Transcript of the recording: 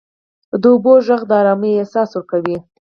• د اوبو ږغ د آرامۍ احساس ورکوي.